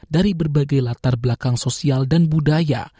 dari berbagai latar belakang sosial dan budaya